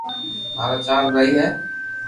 مارا چار ڀائي ھي